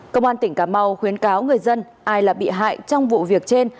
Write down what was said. công an tỉnh cà mau khuyến cáo người dân ai là bị hại trong vụ việc trên